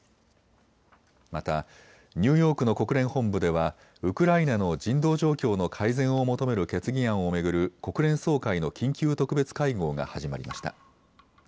また、ニューヨークの国連本部ではウクライナの人道状況の改善を求める決議案を巡る国連総会の緊急特別会合が始まりました。